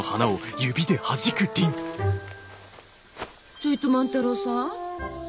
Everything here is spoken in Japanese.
ちょいと万太郎さん？